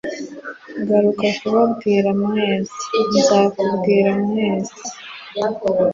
Garuka kubabwira mwese, nzakubwira mwese "-